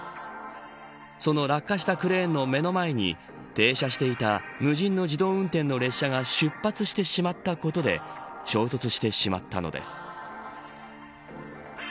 その落下したクレーンの目の前に停車していた無人の自動運転の列車が出発してしまったことで衝突してしまったのです。